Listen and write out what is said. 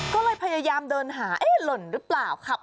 ก็เลยพยายามเดินหาเอ๊ะหล่นหรือเปล่าขับ